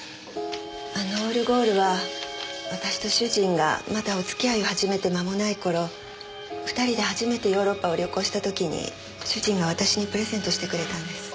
あのオルゴールは私と主人がまだお付き合いを始めて間もない頃２人で初めてヨーロッパを旅行した時に主人が私にプレゼントしてくれたんです。